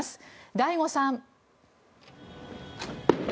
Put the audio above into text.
醍醐さん。